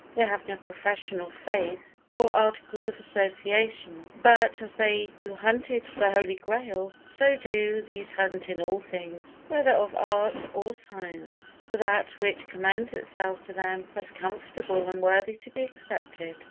They have no profession of faith or articles of association, but, as they who hunted for the Holy Grail, so do these hunt in all things, whether of art or science, for that which commends itself to them as comfortable and worthy to be accepted.